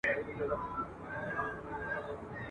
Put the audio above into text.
شنه باغونه د ګیدړ په قباله سي !.